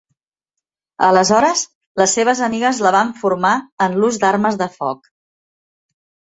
Aleshores, les seves amigues la van formar en l'ús d'armes de foc.